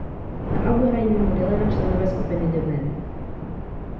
Na albu hrají mimo Dylana členové skupiny The Band.